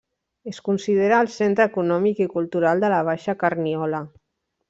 Es considera el centre econòmic i cultural de la Baixa Carniola.